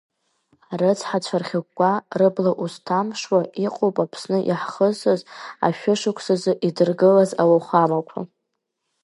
Арыцҳацәа рхьыкәкәа, рыбла узҭамԥшуа иҟоуп Аԥсны иаҳхысыз ашәышықәсазы идыргылаз ауахәамақәа.